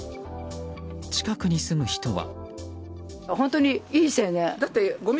近くに住む人は。